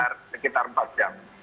ya sekitar empat jam